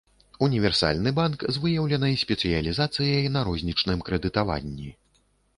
Універсальны банк, з выяўленай спецыялізацыяй на рознічным крэдытаванні.